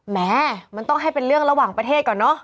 แหมมันต้องให้เป็นเรื่องระหว่างประเทศก่อนเนอะ